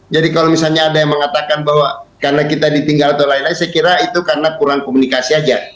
jadi kalau misalnya ada yang mengatakan bahwa karena kita ditinggal atau lain lain saya kira itu karena kurang komunikasi saja